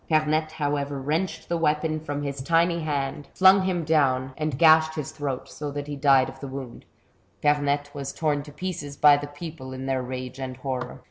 Pemette, however, wrenched the weapon from his tiny hand, flung him down and gashed his A CHAPTER OF HORRORS. 79 throat, so that he died of the wound. Pernette was torn to pieces hy the people in their rage and horror.